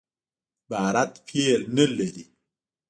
عبارت فعل نه لري.